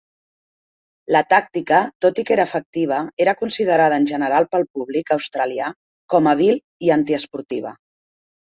La tàctica, tot i que era efectiva, era considerada en general pel públic australià com a vil i antiesportiva.